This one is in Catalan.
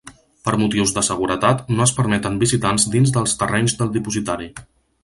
Per motius de seguretat, no es permeten visitants dins dels terrenys del dipositari.